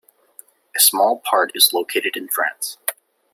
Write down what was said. A small part is located in France.